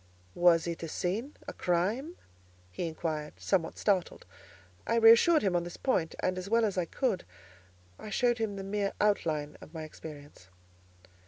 "Was it a sin, a crime?" he inquired, somewhat startled. I reassured him on this point, and, as well as I could, I showed him the mere outline of my experience.